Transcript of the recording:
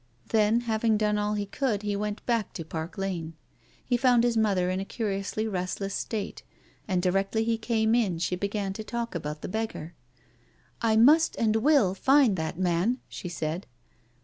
Then, having done all he could, he went back to Park Lane. He found his mother in a curiously restless state, and directly he came in she began to talk about the beggar. " I must and will find that man," she said.